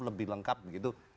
lebih lengkap gitu